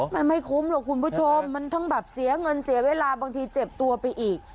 มันไม่คุ้มหรอกคุณผู้ชมมันทั้งแบบเสียเงินเสียเวลาบางทีเจ็บตัวไปอีก